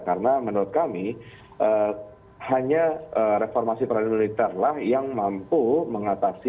karena menurut kami hanya reformasi peradilan militer lah yang mampu mengatasi